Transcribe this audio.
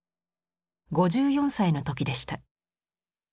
５４歳の時でした。